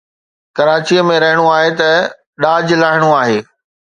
ڪراچيءَ ۾ رهڻو آهي ۽ ڏاج لاهڻو آهي